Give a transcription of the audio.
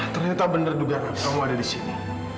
ternyata benar juga kamu ada di sini